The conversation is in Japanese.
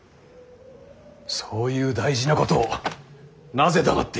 そういう大事なことをなぜ黙っているのです。